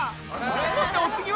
そしてお次は。